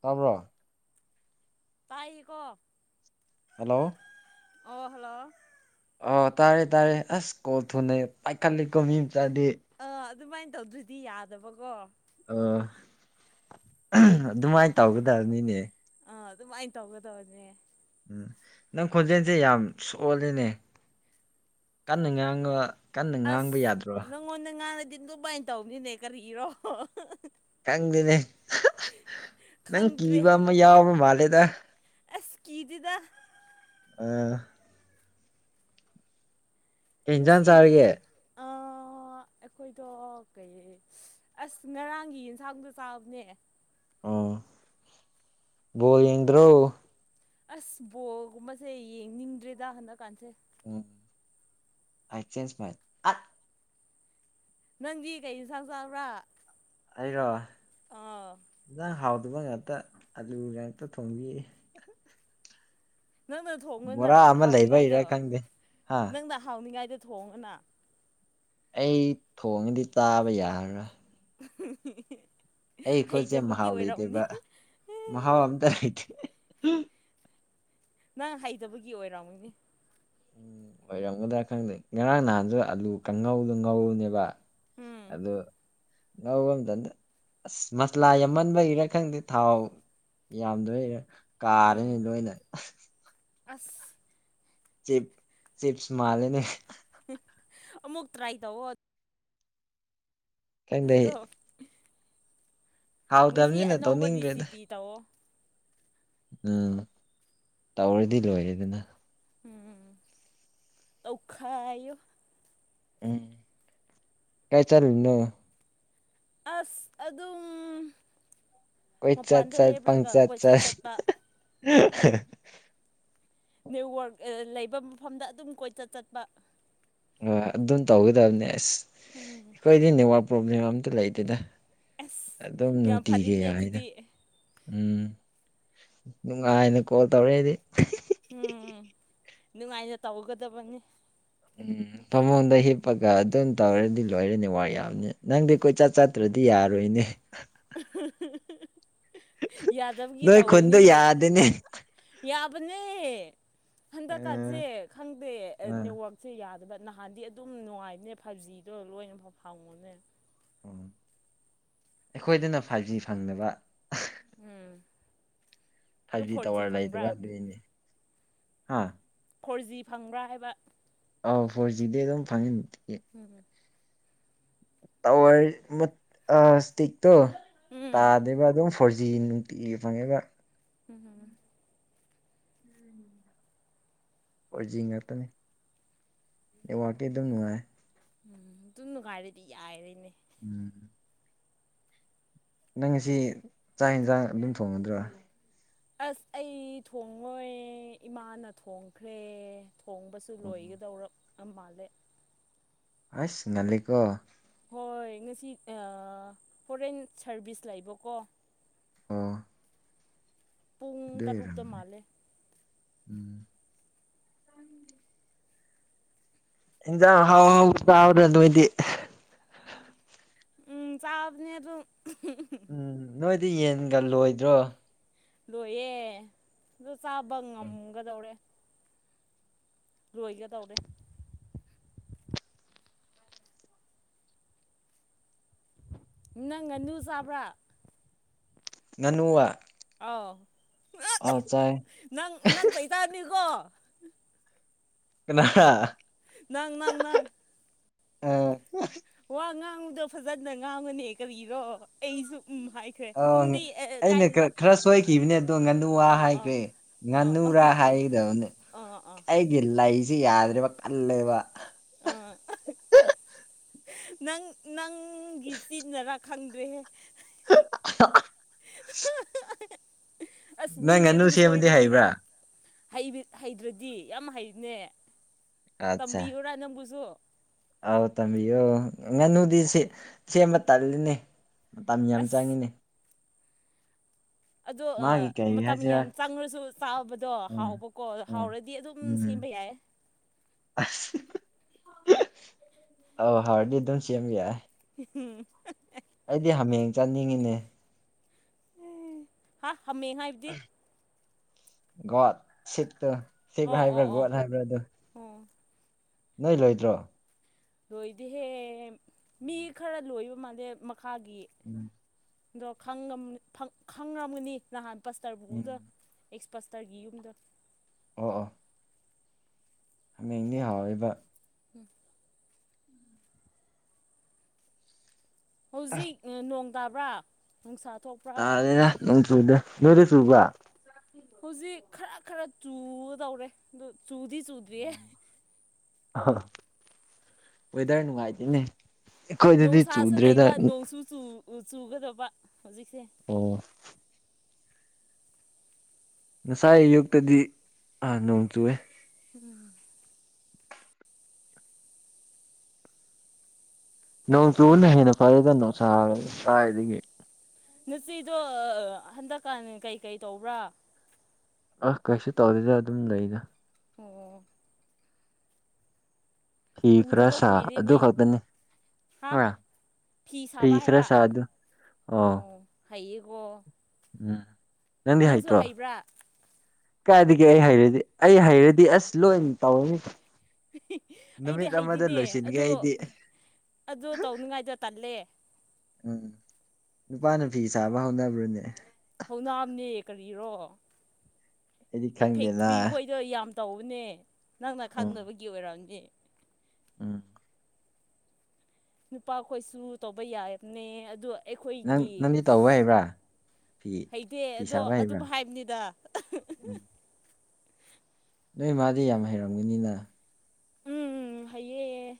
ꯇꯕ꯭ꯔꯣ ꯇꯥꯏꯀꯣ ꯍꯜꯂꯣ ꯑꯣ ꯍꯜꯂꯣ ꯑ ꯇꯥꯔꯦ ꯇꯥꯔꯦ ꯑꯁ ꯀꯣꯜ ꯊꯨꯅꯩ ꯄꯥꯏꯈꯠꯂꯤꯀꯣ ꯃꯤ ꯃꯆꯥꯗꯤ ꯑꯥ ꯑꯗꯨꯃꯥꯏꯅ ꯇꯧꯗ꯭ꯔꯗꯤ ꯌꯥꯗꯕꯀꯣ ꯑꯣ ꯑꯗꯨꯃꯥꯏꯅ ꯇꯧꯒꯗꯕ ꯅꯤꯅꯦ ꯑꯥ ꯑꯗꯨꯃꯥꯏꯅ ꯇꯧꯒꯗꯧꯅꯦ ꯎꯝ ꯅꯪ ꯈꯣꯟꯖꯦꯜꯁꯦ ꯌꯥꯝ ꯁꯣꯜꯂꯤꯅꯦ ꯀꯟꯅ ꯉꯥꯡꯉ ꯀꯟꯅ ꯑꯁ ꯉꯥꯡꯕ ꯌꯥꯗ꯭ꯔꯣ ꯅꯪꯉꯣꯟꯗ ꯉꯥꯡꯅꯗꯤ ꯑꯗꯨꯃꯥꯏꯅ ꯇꯧꯅꯤꯅꯦ ꯀꯔꯤꯒꯤꯔꯣ ꯈꯪꯗꯦꯅꯦ ꯅꯪ ꯀꯤꯕ ꯑꯃ ꯌꯥꯎꯕ ꯃꯥꯜꯂꯦꯗ ꯑꯦꯁꯀꯤꯖꯤꯗ ꯑꯥ ꯀꯩ ꯏꯟꯖꯥꯡ ꯁꯤꯗꯤ ꯆꯥꯔꯒꯦ ꯑ ꯑꯣ ꯑꯩꯈꯣꯏꯗꯣ ꯀꯩ ꯑꯁ ꯉꯔꯥꯡꯒꯤ ꯌꯦꯟꯁꯥꯡꯗꯣ ꯆꯥꯕꯅꯦ ꯑ ꯣꯜ ꯏꯗ꯭ꯔꯣ ꯑꯁ ꯕꯣꯜꯒꯨꯝꯕꯁꯦ ꯌꯦꯡꯅꯤꯡꯗ꯭ꯔꯦꯗ ꯍꯟꯗꯛꯀꯥꯟꯁꯦ ꯎꯝꯆꯦꯟꯖ ꯃꯥꯏ ꯅꯪꯗꯤ ꯀꯩ ꯏꯟꯁꯥꯡ ꯆꯥꯕ꯭ꯔꯥ ꯑꯩꯔꯣ ꯑꯥ ꯅꯡꯍꯥꯎ ꯑꯗꯨꯒ ꯉꯥꯛꯇ ꯑꯂꯨ ꯉꯥꯛꯇ ꯊꯣꯡꯕꯤ ꯅꯪꯅ ꯊꯣꯡꯉꯣꯅ ꯕꯣꯔꯥ ꯑꯃ ꯂꯩꯕꯩꯔꯥ ꯍꯥꯎꯅꯤꯉꯥꯏꯗꯣ ꯈꯪꯗꯦ ꯍꯥ ꯅꯪꯅ ꯍꯥꯎꯅꯤꯉꯥꯏꯗ ꯊꯣꯡꯉꯅ ꯑꯩ ꯊꯣꯡꯉꯗꯤ ꯆꯥꯕ ꯌꯥꯔꯣꯏ ꯑꯩ ꯀꯣꯠꯁꯦ ꯍꯩꯇꯕꯒꯤ ꯃꯍꯥꯎ ꯑꯣꯏꯔꯝꯅꯤ ꯂꯩꯇꯦꯕ ꯃꯍꯥꯎ ꯑꯝꯇ ꯂꯩꯇꯦ ꯅꯪ ꯍꯩꯇꯕꯒꯤ ꯑꯣꯏꯔꯣꯃꯤꯅꯦ ꯎꯝ ꯑꯣꯏꯔꯝꯒꯗ꯭ꯔꯥ ꯈꯪꯗꯦ ꯉꯔꯥꯡ ꯅꯍꯥꯟꯁꯨ ꯑꯂꯨ ꯀꯥꯡꯉꯧꯗꯣ ꯉꯧꯔꯨꯅꯦꯕ ꯎꯝ [inaudible] ꯉꯧꯕ ꯑꯃꯝꯇꯗ ꯑꯁ ꯃꯁꯂꯥ ꯌꯥꯝꯃꯟꯕꯒꯤꯔ ꯈꯪꯗꯦ ꯊꯥꯎ ꯌꯥꯝꯗꯣꯏ ꯎꯝ ꯀꯥꯔꯅꯤ ꯎꯝ ꯂꯣꯏꯅ ꯑꯁ [inaudible] ꯆꯤꯞ ꯆꯤꯞꯁ ꯃꯥꯂꯦꯅꯦ ꯑꯃꯃꯨꯛ ꯇ꯭ꯔꯥꯏ ꯇꯧꯕꯣ ꯈꯪꯗꯦ ꯑꯗꯨꯗ ꯉꯁꯤ ꯍꯥꯎꯇꯕꯅꯤꯅ ꯑꯅꯧꯕ ꯇꯧꯅꯤꯡꯗ꯭ꯔꯦꯗ ꯔꯤꯁꯤꯄꯤ ꯇꯧꯑꯣ ꯎꯝ ꯇꯧꯔꯗꯤ ꯂꯣꯏꯔꯦꯗꯅ ꯎꯝ ꯑꯣꯧꯈ ꯎꯝ ꯀꯥꯏ ꯆꯂ ꯅ ꯑꯁ ꯑꯗꯨꯝ ꯑꯣꯏꯣꯏ ꯆꯠ ꯃꯄꯥꯟꯗ ꯆꯠ ꯄꯪ ꯂꯦꯞꯔꯒ ꯆꯠ ꯀꯣꯏꯆꯠ ꯆꯠ ꯆꯠꯄ ꯅꯦꯠꯋꯔꯛ ꯂꯩꯕ ꯃꯐꯝꯗ ꯑꯗꯨꯝ ꯀꯣꯏꯆ ꯆꯠꯄ ꯍꯣꯏ ꯑꯗꯨꯝ ꯇꯧꯒꯗꯕꯅꯦ ꯑꯁ ꯎꯝ ꯑꯩꯈꯣꯏꯗꯤ ꯅꯦꯠꯋꯥꯛ ꯄ꯭ꯔꯣꯕ꯭ꯂꯦꯝ ꯑꯝꯇ ꯂꯩꯇꯦꯗ ꯑꯁ ꯑꯗꯨꯝ ꯌꯥꯝ ꯅꯨꯡꯇꯤꯒ ꯐꯔꯤꯅꯦ ꯌꯥꯅ ꯑꯗꯨꯗꯤ ꯎꯝ ꯅꯨꯡꯉꯥꯏꯅ ꯀꯣꯜ ꯇꯧꯔꯛꯦꯗꯤ ꯎꯝ ꯅꯨꯡꯉꯥꯏꯅ ꯇꯧꯒꯗꯕꯅꯤ ꯎꯝ ꯐꯃꯨꯡꯗ ꯍꯤꯞꯄꯒ ꯑꯗꯨꯝ ꯇꯧꯔꯗꯤ ꯂꯣꯏꯔꯅꯤ ꯋꯥ ꯌꯥꯝꯅꯤ ꯅꯪꯗꯤ ꯀꯣꯏꯆꯠ ꯆꯥꯠꯇ꯭ꯔꯗꯤ ꯌꯥꯏ ꯌꯥꯔꯣꯏ ꯏꯅꯦ [inaudible] [unintelligible] ꯌꯥꯗꯕꯒꯤ ꯅꯣꯏ ꯈꯨꯟꯗꯣ ꯇꯧꯕꯅꯤꯅꯦ ꯌꯥꯗꯦꯅꯦ ꯌꯥꯕꯅꯦ ꯑ ꯍꯟꯗꯛꯀꯥꯟꯁꯦ ꯈꯪꯗꯦ ꯑ ꯅꯦꯠꯋꯥꯛꯁꯦ ꯌꯥꯗꯕ ꯅꯍꯥꯟꯗꯤ ꯑꯗꯨꯝ ꯅꯨꯡꯉꯥꯏꯅꯦ ꯐꯥꯏꯚ ꯖꯤꯗꯣ ꯂꯣꯏꯅꯐꯥꯎ ꯐꯪꯉꯣꯅꯦ ꯎ ꯑꯩꯈꯣꯏꯗꯅ ꯐꯥꯏꯚ ꯖꯤ ꯐꯪꯗꯕ ꯎꯝ ꯑꯗꯣ ꯊꯕꯤ ꯐꯣꯔ ꯖꯤ ꯇꯋꯥꯔꯂꯏ ꯐꯪꯕ꯭ꯔꯥ ꯂꯩꯅꯤ ꯍꯥ ꯐꯣꯔ ꯖꯤ ꯐꯪꯕ꯭ꯔꯥ ꯍꯥꯏꯕ ꯑꯣ ꯐꯣꯔ ꯖꯤꯗꯤ ꯑꯗꯨꯝ ꯐꯪꯉꯟꯦ ꯎꯝꯝ ꯇ ꯏꯁꯇꯤꯛꯇꯣ ꯎꯝ ꯇꯥꯗꯕ ꯑꯗꯨꯝ ꯐꯣꯔ ꯅꯨꯡꯇꯤꯒꯤ ꯐꯪꯉꯤꯕ ꯎꯝꯝ ꯐꯣꯔꯖꯤ ꯉꯥꯛꯇꯅꯤ ꯅꯦꯠꯋꯥꯛꯇꯀꯤ ꯑꯗꯨꯝ ꯅꯨꯡꯉꯥꯏ ꯎꯝ ꯇꯅꯅꯨꯡ ꯀꯥꯏꯔꯗꯤ ꯌꯥꯏꯔꯅꯦ ꯎꯝ ꯅꯪꯁꯤ ꯆꯥꯛ ꯌꯦꯟꯁꯥꯡ ꯑꯗꯨꯝ ꯊꯣꯡꯉꯗ꯭ꯔꯣ ꯑꯁ ꯑꯩ ꯊꯣꯡꯡꯂꯣꯏ ꯏꯃꯥꯅ ꯊꯣꯡꯈ꯭ꯔꯦ ꯊꯣꯡꯕꯁꯨ ꯑꯣ ꯂꯣꯏꯒꯗꯧꯔ ꯃꯥꯜꯂꯦ ꯑꯁ ꯉꯜꯂꯤꯀꯣ ꯍꯣꯏ ꯉꯁꯤ ꯐꯣꯔꯦꯟ ꯁꯔꯚꯤꯁ ꯂꯩꯕꯀꯣ ꯑ ꯄꯨꯡ ꯇꯔꯨꯛꯇ ꯃꯥꯜꯂꯦ ꯎꯝ ꯏꯟꯖꯥꯡ ꯍꯥꯎ ꯍꯥꯎ ꯇꯥꯎ꯭ꯔ ꯑꯗꯨꯗꯤ ꯎꯝ ꯆꯕꯅꯤꯔ ꯎꯝ ꯅꯣꯏꯗꯤ ꯌꯦꯟꯒ ꯂꯣꯏꯗ꯭ꯔꯣ ꯂꯣꯏꯌꯦꯦ ꯑꯗꯣ ꯆꯥꯕ ꯉꯝꯒꯗꯧꯔꯦ ꯂꯏꯒ ꯇꯧꯔꯔꯤꯦ ꯅꯪ ꯉ ꯅꯨꯨ ꯆꯥꯕ꯭ꯔꯥ ꯅꯪꯨ ꯋꯥ ꯑꯥꯎ ꯅꯪ ꯅꯪ ꯀꯩꯇꯥꯔꯅꯤꯀꯣ ꯀꯅꯥ ꯅꯪ ꯅꯪ ꯅꯪ ꯑ ꯋꯥ ꯉꯥꯡꯉꯨꯗꯣ ꯐꯖꯅ ꯉꯥꯡꯉꯅꯤ ꯀꯔꯤꯔꯣ ꯑꯩꯁꯨ ꯎꯝ ꯍꯥꯏꯈ꯭ꯔꯦ ꯑ ꯎꯝꯗꯤ ꯑꯩꯅ ꯀꯥꯏꯗꯨꯗ ꯈꯔ ꯁꯣꯏꯈꯤꯕꯅꯦ ꯑꯗꯣ ꯉꯥꯅꯨ ꯋꯥ ꯑꯥ ꯑꯥ ꯍꯥꯏꯈ꯭ꯔꯦ ꯑꯥ ꯉꯥꯅꯨ ꯄꯨꯔꯥ ꯍꯥꯏꯒꯗꯕꯅꯦ ꯑꯥ ꯑꯥ ꯑꯥ ꯑꯩꯒꯤ ꯂꯩꯁꯦ ꯌꯥꯗ꯭ꯔꯦꯕ ꯀꯜꯂꯦꯕ ꯑ ꯅꯪ ꯅꯪꯒꯤ ꯆꯤꯅꯔ ꯈꯪꯗ꯭ꯔꯦꯦ [unintelligible] ꯑꯁ ꯅꯪ ꯃꯤꯗꯤ ꯉꯥꯅꯨ ꯑꯗꯨꯝ ꯁꯦꯝꯕꯗꯤ ꯁꯣꯏꯕꯅꯤꯗ ꯍꯩꯕ꯭ꯔꯥ ꯍꯩꯗ꯭ꯔꯗꯤ ꯌꯥꯝ ꯍꯩꯅꯦ ꯑꯠꯆꯥ ꯇꯝꯕꯤꯌꯨꯔꯥ ꯅꯪꯕꯨꯁꯨ ꯑꯥꯎ ꯇꯝꯕꯤꯌꯣ ꯉꯥꯅꯨꯗꯤ ꯁꯦꯝꯕ ꯇꯜꯂꯤꯅꯦ ꯃꯇꯝ ꯌꯥꯝ ꯑꯁ ꯆꯪꯏꯤꯅꯦ ꯑꯗꯣ ꯀꯩ ꯃꯇꯝ ꯍꯥꯏꯁꯤꯔꯥ ꯌꯥꯝ ꯆꯪꯉꯁꯨ ꯆꯥꯕꯗꯣ ꯎꯝ ꯍꯥꯎꯕꯀꯣ ꯎꯝ ꯍꯥꯎꯔꯗꯤ ꯑꯗꯨꯝ ꯎꯝ ꯀ ꯌꯥꯏ ꯑꯁ ꯑ ꯍꯔꯗꯤ ꯑꯗꯨꯝ ꯁꯦꯝꯕꯤ ꯌꯥꯏ ꯍꯝ ꯑꯩꯗꯤ ꯍꯥꯃꯦꯡ ꯆꯥꯅꯤꯡꯉꯤꯅꯦ ꯎꯝ ꯍꯥ ꯍꯥꯃꯦ ꯍꯥꯏꯕꯗꯤ ꯒꯣꯠ ꯁꯤꯞꯇ ꯁꯤꯕ ꯑꯣ ꯍꯥꯏꯕ꯭ꯔꯥ ꯑꯣ ꯒꯣꯠ ꯑꯣ ꯍꯥꯏꯕ꯭ꯔꯥ ꯑꯗꯨ ꯑꯣ ꯅꯣꯏ ꯂꯩꯣꯏꯗ꯭ꯔꯣ ꯂꯣꯏꯗꯤꯍꯦ ꯃꯤ ꯈꯔ ꯂꯣꯏꯕ ꯃꯥꯜꯂꯦ ꯃꯈꯥꯒꯤ ꯎꯝ ꯑꯗꯣ ꯈꯪꯉꯝꯒꯅꯤ ꯅꯍꯥꯟ ꯄꯁꯇꯔꯕꯨꯗ ꯎꯝ ꯑꯦꯛꯁꯄꯁꯇꯔꯒꯤ ꯌꯨꯝꯗ ꯑꯣ ꯑ ꯍꯃꯦꯡꯗꯤ ꯍꯥꯎꯔꯤꯕ ꯎꯝ ꯑꯁ ꯍꯧꯖꯤꯛ ꯅꯣꯡ ꯇꯥꯕ꯭ꯔꯥ ꯅꯨꯡꯁꯥ ꯊꯣꯛꯄ꯭ꯔꯥ ꯇꯥꯗꯦꯗ ꯅꯪꯠ ꯆꯨꯗꯦ ꯅꯣꯏꯗꯤ ꯆꯨꯕ꯭ꯔꯥ ꯎꯝ ꯍꯧꯖꯤꯛ ꯈꯔ ꯈꯔ ꯆꯨꯗꯧꯔꯦ ꯑꯗꯨ ꯆꯨꯗꯤ ꯆꯨꯗ꯭ꯔꯤꯌꯦ ꯋꯦꯗꯔ ꯅꯨꯡꯉꯥꯏꯇꯦꯅꯦ ꯑꯩꯈꯣꯏꯗꯗꯤ ꯅꯨꯡꯁꯥꯁꯨ ꯆꯨꯗ꯭ꯔꯦꯗ ꯂꯩꯕ ꯅꯣꯡꯁꯨ ꯆꯨꯒꯗꯕ ꯍꯧꯖꯤꯛꯁꯦ ꯑꯣ ꯉꯁꯥꯏ ꯑꯌꯨꯛꯇꯗꯤ ꯑ ꯅꯣꯡ ꯆꯨꯋꯦ ꯎꯝ ꯅꯣꯡ ꯆꯨꯕꯅ ꯍꯦꯟꯅ ꯐꯔꯦꯗ ꯅꯨꯡꯁꯥ ꯀꯥꯏꯗꯒꯤ ꯅꯨꯆꯤꯗꯣ ꯍꯟꯗꯛꯀꯥꯟ ꯀꯩꯀꯩ ꯇꯧꯕ꯭ꯔꯥ ꯑ ꯀꯩꯁꯨ ꯇꯧꯗꯦꯗ ꯑꯗꯨꯝ ꯂꯩꯗ ꯑꯣ ꯐꯤꯈ꯭ꯔꯥ ꯎꯗꯕ ꯁꯥ ꯑꯗꯨ ꯀꯨꯏꯔꯦꯅꯦ ꯈꯛꯇꯅꯤ ꯐꯤ ꯐꯤꯁꯥꯕ ꯈꯔ ꯍꯥꯏꯕ ꯁꯥ ꯑꯗꯨ ꯑꯣ ꯍꯥꯏꯌꯦꯀꯣ ꯎꯝ ꯅꯪꯗꯤ ꯅꯪꯁꯨ ꯍꯩꯇ꯭ꯔꯣ ꯍꯩꯕ꯭ꯔꯥ ꯀꯥꯏꯗꯒꯤ ꯑꯩ ꯍꯩꯔꯗꯤ ꯑꯩ ꯍꯩꯔꯗꯤ ꯑꯁ ꯂꯣꯏ ꯇꯧꯅꯤ ꯑꯩꯗꯤ ꯍꯩꯗꯤꯅꯦ ꯑꯣ ꯑꯩꯗꯤ ꯑꯗꯣ ꯇꯧꯅꯤꯉꯥꯏꯗ ꯇꯜꯂꯦ ꯎꯝ ꯅꯨꯄꯥꯅꯥ ꯐꯤ ꯁꯥꯕ ꯍꯧꯅꯕ꯭ꯔꯅꯦ ꯍꯧꯅꯥꯝꯅꯦ ꯀꯔꯤꯔꯣ ꯑꯩꯗꯤ ꯈꯪꯗꯦꯅ ꯐꯦꯛꯇ꯭ꯔꯤ ꯈꯣꯏꯗꯣ ꯌꯥꯝ ꯇꯧꯕꯅꯦ ꯅꯪꯅ ꯎꯝ ꯈꯪꯗꯕꯒꯤ ꯑꯣꯏꯔꯝꯅꯤ ꯎꯝ ꯅꯨꯄꯥꯈꯣꯏꯁꯨ ꯇꯧꯕ ꯌꯥꯏꯕꯅꯦ ꯑꯗꯨ ꯅꯪ ꯅꯪꯗꯤ ꯇꯧꯕ ꯍꯩꯕ꯭ꯔꯥ ꯐꯤ ꯍꯩꯇꯦ ꯐꯤ ꯑꯗꯣ ꯁꯥꯕ ꯑꯗꯨꯝ ꯍꯩꯕ꯭ꯔꯥ ꯍꯥꯏꯕꯅꯤꯗ ꯎꯝ ꯅꯣꯏ ꯃꯥꯗꯤ ꯌꯥꯝ ꯍꯩꯔꯝꯒꯅꯤꯅ ꯎꯝ ꯍꯩꯌꯦ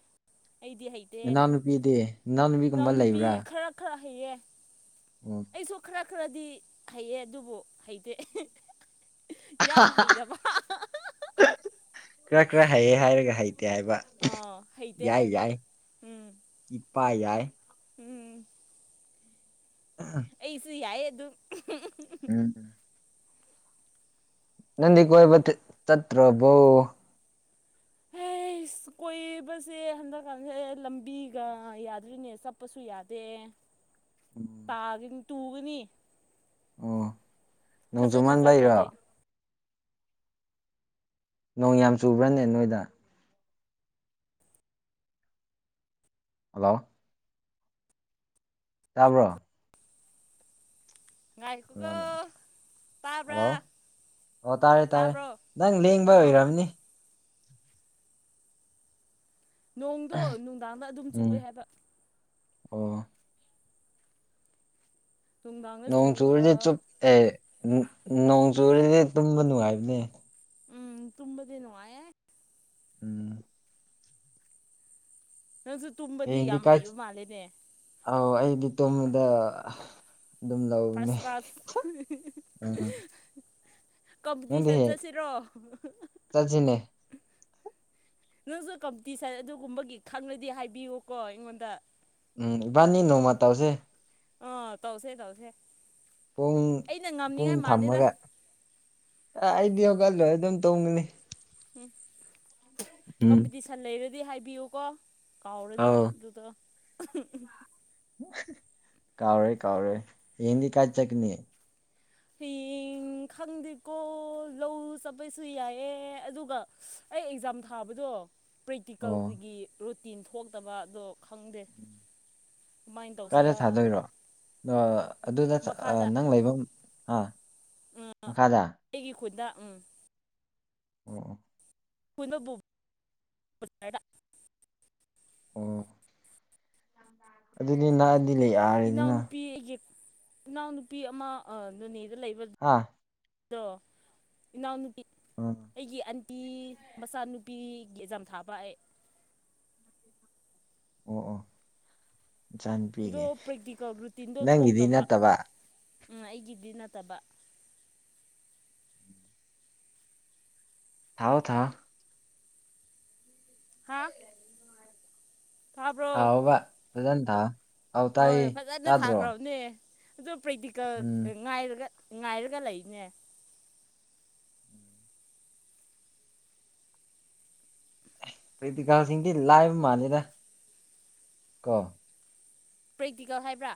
ꯑꯩꯗꯤ ꯍꯩꯇꯦ ꯅꯅꯥꯎꯅꯨꯄꯤꯗꯤ ꯅꯅꯥꯎꯅꯨꯄꯤꯒꯨꯝꯕ ꯂꯩꯕ꯭ꯔꯥ ꯂꯩꯌꯦ ꯑꯣ ꯑꯩꯁꯨ ꯈꯔ ꯈꯔꯗꯤ ꯍꯩꯌꯦ ꯑꯗꯨꯕꯨ ꯍꯩꯇꯦ ꯌꯥꯝ ꯍꯩꯇꯕ ꯈꯔ ꯈꯔ ꯍꯩꯌꯦ ꯍꯥꯏꯔꯒ ꯍꯩ ꯇꯦ ꯍꯥꯏꯕ ꯑꯥ ꯍꯩꯇꯦ ꯌꯥꯏ ꯍꯥꯏꯕ ꯌꯥꯏ ꯎꯝ ꯏꯄꯥ ꯌꯥꯏ ꯎꯝ ꯑꯩꯁꯨ ꯌꯥꯏ ꯑꯗꯨꯝ [unintelligible] ꯅꯪꯗꯤ ꯀꯣꯏꯕ ꯆꯠꯇ꯭ꯔꯕꯣ [unintelligible] ꯑꯩꯁ ꯀꯣꯏꯕꯁꯦ ꯍꯟꯗꯛꯀꯥꯟꯁꯦ ꯂꯝꯕꯤꯒ ꯌꯥꯗ꯭ꯔꯤꯅꯦ ꯆꯠꯄꯁꯨ ꯌꯥꯗꯦ [unintelligible] ꯇꯥꯒꯅꯤ ꯇꯨꯒꯅꯤ ꯑꯣ ꯐꯖꯅ ꯅꯣꯡꯖꯨꯃꯥꯟꯕꯩꯔꯣ ꯆꯠꯇ꯭ꯔꯗꯤ ꯅꯣꯡ ꯌꯥꯝ ꯆꯨꯕ꯭ꯔꯥꯅꯦ ꯅꯣꯏꯗ ꯍꯜꯂꯣ ꯇꯥꯕ꯭ꯔꯣ [unintelligible] ꯍꯜꯂꯣ ꯑꯣ ꯇꯥꯔꯦ ꯇꯥꯔꯦ ꯇꯥꯕ꯭ꯔꯣ ꯅꯪ ꯂꯦꯡꯕ ꯑꯥ ꯑꯣꯏꯔꯝꯅꯤ ꯅꯣꯡꯗꯣ ꯅꯨꯡꯗꯥꯡꯗ ꯑꯗꯨꯝ ꯎꯝ ꯆꯨꯋꯦ ꯍꯥꯏꯕ ꯑꯣ ꯅꯨꯡꯗꯥꯡꯗ ꯅꯣꯡ ꯆꯨꯔꯒ ꯆꯨꯔꯗꯤ ꯆꯨꯞ ꯑꯦ ꯅꯣꯡ ꯆꯨꯔꯗꯤ ꯇꯨꯝꯕ ꯅꯨꯡꯉꯥꯏꯕꯅꯦ ꯎꯝ ꯇꯨꯝꯕꯗꯤ ꯅꯨꯡꯉꯥꯏꯑꯦ ꯎꯝ ꯅꯪꯁꯨ ꯇꯨꯝꯕꯗꯤ ꯌꯥꯝꯅ ꯍꯩꯕ ꯃꯥꯜꯂꯦꯅꯦ ꯑꯥꯎ ꯑꯩꯗꯤ ꯇꯨꯝꯕꯗ ꯑꯗꯨꯝ ꯂꯧꯅꯦ ꯐꯥꯔꯁ ꯀ꯭ꯂꯥꯁ ꯎꯝ ꯅꯪꯗꯤ ꯀꯝꯄꯤꯇꯤꯁꯟ ꯍꯦꯛ ꯆꯠꯁꯤꯔꯣ ꯆꯠꯁꯤꯅꯦ ꯅꯪꯁꯨ ꯀꯝꯄꯤꯇꯤꯁꯟ ꯑꯗꯨꯒꯨꯝꯕꯒꯤ ꯈꯪꯂꯗꯤ ꯍꯥꯏꯕꯤꯌꯨꯀꯣ ꯑꯩꯉꯣꯟꯗ ꯎꯝ ꯏꯕꯥꯅꯤ ꯅꯣꯡꯃ ꯇꯧꯁꯦ ꯑ ꯇꯧꯁꯦ ꯇꯧꯁꯦ ꯄꯨꯡ ꯑꯩꯅ ꯄꯨꯡ ꯉꯝꯅꯤꯉꯥꯏ ꯃꯥꯜꯂꯦꯗ ꯊꯝꯃꯒ ꯑ ꯑꯩꯗꯤ ꯍꯧꯒꯠꯂꯣꯏ ꯑꯗꯨꯝ ꯇꯨꯝꯒꯅꯤ ꯎꯝ ꯎꯝ ꯀꯝꯄꯤꯇꯤꯁꯟ ꯂꯩꯔꯗꯤ ꯍꯥꯏꯕꯤꯌꯨꯀꯣ ꯀꯥꯎꯔꯅꯣ ꯑꯧ ꯑꯗꯨꯗ ꯀꯥꯎꯔꯣꯏ ꯀꯥꯎꯔꯣꯏ ꯍꯌꯦꯡꯗꯤ ꯀꯥꯏ ꯆꯠꯀꯅꯤ ꯍꯌꯦꯡ ꯎ ꯈꯪꯗꯦꯀꯣ ꯂꯧ ꯆꯠꯄꯁꯨ ꯌꯥꯏꯌꯦ ꯑꯗꯨꯒ ꯑꯩ ꯑꯦꯛꯖꯥꯝ ꯊꯥꯕꯗꯣ ꯑꯣ ꯄ꯭ꯔꯦꯛꯇꯤꯀꯦꯜꯒꯤ ꯔꯨꯇꯤꯟ ꯊꯣꯛꯇ ꯑꯗꯣ ꯈꯪꯗꯦ ꯀꯃꯥꯏꯅ ꯇꯧꯁꯤꯔ ꯑ ꯑꯗꯨꯗ ꯅꯪ ꯂꯩꯐꯝ ꯑ ꯑꯩꯒꯤ ꯈꯨꯟꯗ ꯎꯝ ꯑꯣ ꯄꯨꯟꯕꯕꯨ [unintelligible] ꯑꯣ ꯑꯗꯨꯗꯤ ꯅꯛꯑꯗꯤ ꯌꯥꯔꯦꯗꯅ ꯏꯅꯥꯎꯅꯨꯄꯤ ꯑꯩꯒꯤ ꯏꯅꯥꯎꯅꯨꯄꯤ ꯑꯃ ꯅꯣꯅꯦꯗ ꯍꯥ ꯂꯩꯕꯗꯣ ꯏꯅꯥꯎ ꯎꯝ ꯑꯩꯒꯤ ꯑꯟꯇꯤ ꯃꯆꯥꯅꯨꯄꯤꯒꯤ ꯑꯦꯛꯖꯥꯝ ꯊꯥꯕ ꯑꯩ ꯑꯣ ꯑꯣ ꯑꯗꯣ ꯏꯆꯥꯅꯨꯄꯤꯒꯤ ꯄ꯭ꯔꯦꯛꯇꯤꯀꯦꯜ ꯔꯨꯇꯤꯟꯗꯣ ꯅꯪꯒꯤꯗꯤ ꯊꯣꯛꯇꯕ ꯅꯠꯇꯕ ꯎꯝ ꯑꯩꯒꯤꯗꯤ ꯅꯠꯇꯕ ꯊꯥꯎ ꯊꯥꯎ ꯍꯥ ꯊꯥꯕ꯭ꯔꯣ ꯊꯥꯎꯥꯎꯕ ꯐꯖꯅ ꯊꯥ ꯍꯣꯏ ꯐꯖꯅ ꯊꯥꯈ꯭ꯔꯕꯅꯦ ꯑꯗꯣ ꯄ꯭ꯔꯦꯛꯇꯤꯀꯦꯜ ꯎꯝ ꯉꯥꯏꯔꯒ ꯉꯥꯏꯔꯒ ꯂꯩꯅꯦ ꯄ꯭ꯔꯦꯛꯇꯤꯀꯦꯜꯁꯤꯡꯗꯤ ꯂꯥꯏꯕ ꯃꯥꯟꯂꯤꯗ ꯀ‌ꯣ ꯄ꯭ꯔꯦꯛꯇꯤꯀꯦꯜ ꯍꯥꯏꯕ꯭ꯔꯥ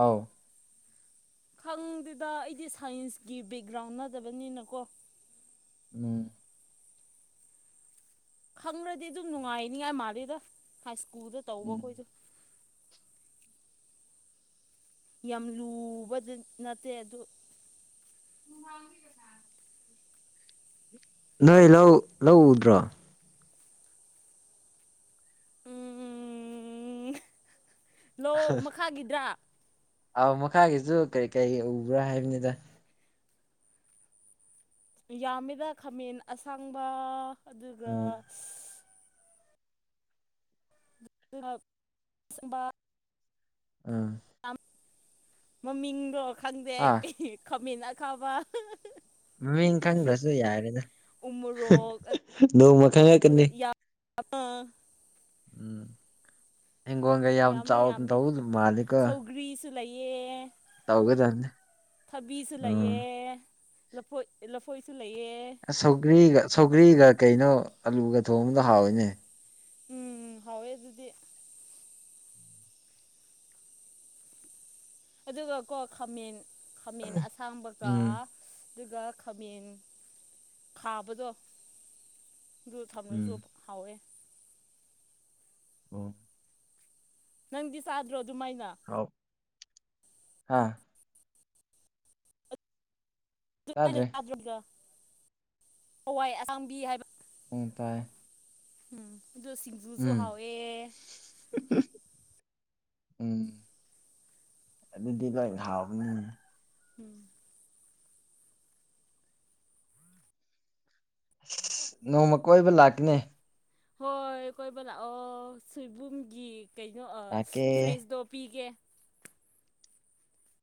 ꯑꯥꯎ ꯈꯪꯗꯦꯗ ꯑꯩꯗꯤ ꯁꯥꯏꯟꯁꯀꯤ ꯕꯦꯛꯒ꯭ꯔꯥꯎꯟ ꯅꯗꯕꯅꯤꯅꯀꯣ ꯎꯡ ꯈꯪꯔ꯭ꯔꯗꯤ ꯑꯗꯨꯝ ꯅꯨꯡꯉꯥꯏꯅꯤꯉꯥꯏ ꯃꯥꯜꯜꯂꯤꯦꯗ ꯍꯥꯏ ꯁ꯭ꯀꯨꯜꯗ ꯇꯧꯕ ꯎꯝ ꯈꯣꯏꯁꯨ ꯌꯥꯝ ꯂꯨꯕꯗ ꯅꯠꯇꯦ ꯑꯗꯨ ꯃꯨꯃꯥꯡ ꯀꯅꯥ [inaudible] ꯅꯣꯏ ꯂꯧ ꯂꯧꯎꯗ꯭ꯔꯣ ꯎꯝ ꯎ ꯂꯧ ꯃꯈꯥꯒꯤꯗ꯭ꯔꯥ ꯑ ꯃꯈꯥꯒꯤꯁꯨ ꯀꯔꯤ ꯀꯔꯤ ꯎꯕ꯭ꯔꯥ ꯍꯥꯏꯕꯅꯤꯗ ꯌꯥꯝꯃꯤꯗ ꯈꯥꯃꯦꯟ ꯑꯁꯥꯡꯕ ꯑꯗꯨꯒ ꯎꯝ [unintelligible] ꯑꯥ ꯃꯃꯤꯡꯗꯣ ꯈꯪꯗꯦ ꯑꯥ ꯈꯥꯃꯟ ꯑꯈꯥꯕ ꯃꯃꯤꯡ ꯈꯪꯗ꯭ꯔꯁꯨ ꯌꯥꯔꯦꯅ ꯎꯃꯣꯔꯣꯛ ꯅꯣꯡꯃ ꯈꯪꯉꯛꯀꯅꯤ ꯑꯄꯥ ꯎꯝ ꯍꯒꯣꯒ ꯌꯥꯝ ꯆ ꯇ ꯃꯥꯂꯤꯀ ꯆ ꯂꯩꯌꯦ ꯇꯧꯒꯗꯅꯤ ꯎꯝ ꯐꯣꯣꯏ ꯁꯧꯒ꯭ꯔꯤꯒ ꯁꯧꯒ꯭ꯔꯤꯒ ꯀꯩꯅꯣ ꯑꯂꯨꯒ ꯊꯣꯡꯕꯗ ꯍꯥꯎꯋꯏꯅꯦ ꯎꯝ ꯍꯋꯦ ꯑꯗꯨꯗꯤ ꯑꯗꯨꯒ ꯀꯣ ꯈꯥꯃꯦꯟ ꯈꯥꯃꯦꯟ ꯑꯁꯥꯡꯕꯒ ꯎꯝ ꯑꯗꯨꯒ ꯈꯥꯃꯦꯟ ꯈꯥꯕꯗꯣ ꯎꯝ ꯊꯝꯅꯁꯨꯣ ꯍꯥꯎꯋꯦ ꯑ ꯅꯪꯗꯤ ꯆꯥꯗ꯭ꯔꯣ ꯑꯗꯨꯃꯥꯏꯅ ꯍꯥꯥ ꯇꯥꯗ꯭ꯔꯦ ꯥꯗꯗ ꯍꯋꯥꯏ ꯑꯁꯥꯡꯕꯤ ꯍꯥꯏꯕ ꯄꯨꯡ ꯇꯥꯏ ꯎꯝ ꯑꯗꯨꯗ ꯁꯤꯁꯤꯡꯖꯨꯁꯨ ꯎꯝ ꯍꯋꯦ ꯎꯝ ꯑꯗꯨꯗꯤ ꯀ ꯉꯥꯎꯕꯅꯤ ꯎꯝ ꯁ ꯅꯣꯡꯃ ꯀꯣꯏꯕ ꯂꯥꯛꯀꯅꯦ ꯍꯣꯏ ꯑꯩꯣꯏꯕꯂ ꯑꯣ ꯁꯤꯕꯨꯝꯒꯤ ꯀꯩꯅꯣ ꯂꯥꯛꯀꯦ ꯐ꯭ꯔꯤꯖꯇꯣ ꯄꯤꯒꯦ